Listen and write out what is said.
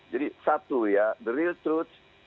jadi satu ya the real truth